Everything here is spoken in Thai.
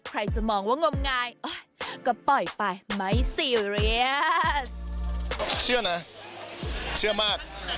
ใครจะมองว่างมงายก็ปล่อยไปไม่ซีเรียสเชื่อนะเชื่อมาก